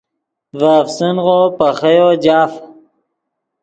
ڤے افسنغو پے خییو جاف